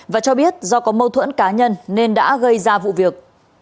và cho biết do có mâu thuẫn cá nhân nên đã gây ra vụ việc